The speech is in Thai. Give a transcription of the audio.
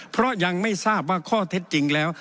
เพราะยังไม่ทราบว่าข้อเท็จจริงแล้ว